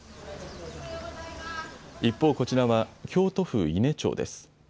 一方、こちらは京都府伊根町です。